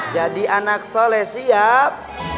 jadi anak soleh siap